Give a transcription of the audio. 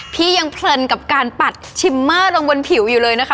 พี่ยังเพลินกับการปัดชิมเมอร์ลงบนผิวอยู่เลยนะคะ